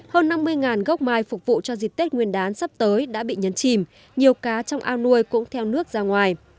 hơn năm mươi gốc mai phục vụ cho dịp tết nguyên đán sắp tới đã bị nhấn chìm nhiều cá trong ao nuôi cũng theo nước ra ngoài